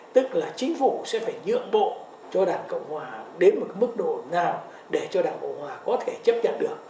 tức là chính phủ sẽ phải nhượng bộ cho đảng cộng hòa đến một mức độ nào để cho đảng cộng hòa có thể chấp nhận được